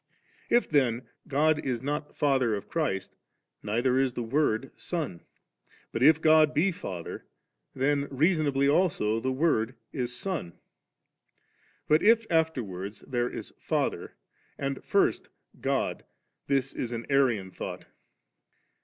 If then God is not Father of Christ, neither is the Word Son; but if God be Father, then reasonably also the Word is Soa But if afterwards there is Father, and first God, this is an Arian thought^.